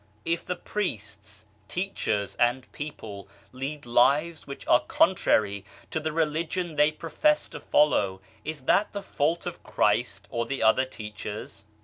If the priests, teachers and people, lead lives which are con trary to the Religion they profess to follow, is that the faultof Christ or the other Teachers